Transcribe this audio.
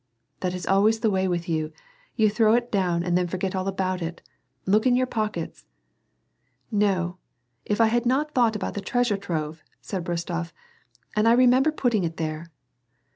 That is always the way with you. You throw it down and then forget all about it. Look in your pockets." " No, if I had not thought about the treasure trove "— said Rostof, '' and I remember putting it there."